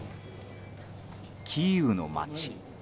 キーウの街。